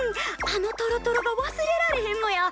あのトロトロが忘れられへんのや。